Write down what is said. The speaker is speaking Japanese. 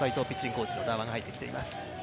コーチの談話が入ってきています。